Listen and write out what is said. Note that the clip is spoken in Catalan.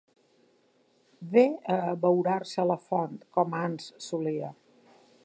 Ve a abeurar-se a la font com ans solia.